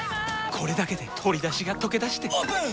これだけで鶏だしがとけだしてオープン！